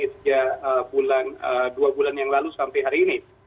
sejak dua bulan yang lalu sampai hari ini